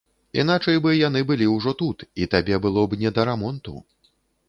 Іначай бы яны былі ўжо тут, і табе было б не да рамонту.